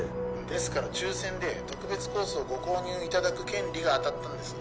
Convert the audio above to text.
☎ですから抽選で特別コースを☎ご購入いただく権利が当たったんです